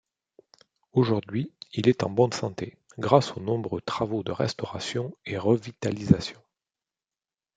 Aujourd'hui, il est en bonne santé grâce aux nombreux travaux de restauration et revitalisation.